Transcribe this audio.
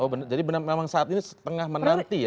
oh benar jadi memang saat ini setengah menanti ya